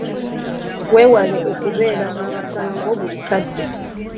Weewale okubeera mu misango buli kadde.